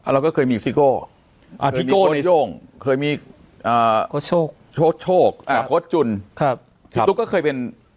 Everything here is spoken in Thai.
เราก็เคยมีซิโก้ซิโก้เคยมีโชคโค้ดจุนพี่ตุ๊กก็เคยเป็น